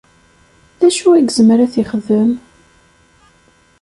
D acu i izmer ad t-ixdem?